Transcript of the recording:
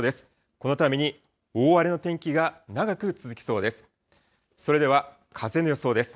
このために、大荒れの天気が長く続きそうです。